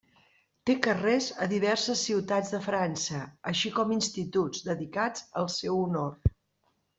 Té carrers a diverses ciutats de França, així com instituts, dedicats al seu honor.